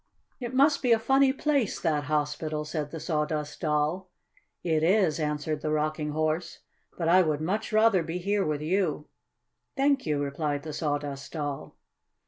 "It must be a funny place that hospital," said the Sawdust Doll. "It is," answered the Rocking Horse. "But I would much rather be here with you." "Thank you," replied the Sawdust Doll.